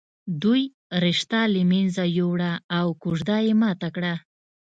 دوی رشته له منځه ويوړه او کوژده یې ماته کړه